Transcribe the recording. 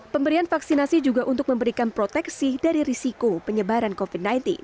pemberian vaksinasi juga untuk memberikan proteksi dari risiko penyebaran covid sembilan belas